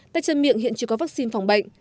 tay chân miệng hiện chưa có vaccine phòng bệnh